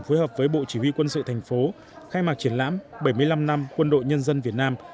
phối hợp với bộ chỉ huy quân sự thành phố khai mạc triển lãm bảy mươi năm năm quân đội nhân dân việt nam